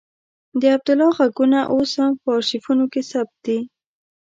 د عبدالله غږونه اوس هم په آرشیفونو کې ثبت دي.